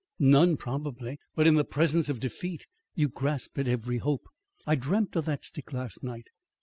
"None probably; but in the presence of defeat you grasp at every hope. I dreamt of that stick last night.